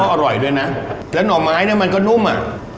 อร่อยด้วยนะแล้วหน่อไม้เนี่ยมันก็นุ่มอ่ะ